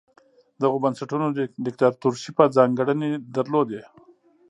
دغو بنسټونو دیکتاتورشیپه ځانګړنې لرلې.